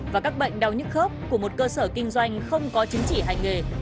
và các bệnh đau nhức khớp của một cơ sở kinh doanh không có chính trị hành nghề